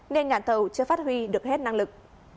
nên nhà thầu chưa phát huy được hết năng lực